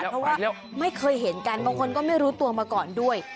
เพราะว่าไม่เคยเห็นกันบางคนก็ไม่รู้ตัวมาก่อนด้วย